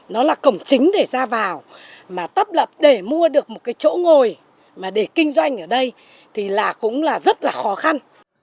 nó là cổng chính để ra vào mà tấp lập để mua được một cái chỗ ngồi mà để kinh doanh ở đây thì là cũng là rất là khó khăn